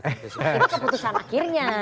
itu keputusan akhirnya